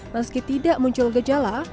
meski tidak muncul gejala